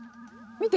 見て！